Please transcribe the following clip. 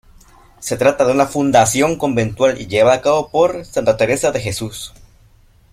Se trata de una fundación conventual llevada a cabo por Santa Teresa de Jesús.